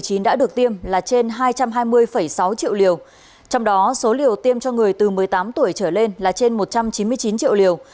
trong đó tiêm là trên hai trăm hai mươi sáu triệu liều trong đó số liều tiêm cho người từ một mươi tám tuổi trở lên là trên một trăm chín mươi chín triệu liều